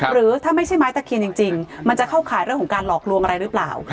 หรือถ้าไม่ใช่ไม้ตะเคียนจริงมันจะเข้าข่ายเรื่องของการหลอกลวงอะไรหรือเปล่า